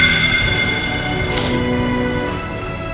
mbak fim mbak ngerasa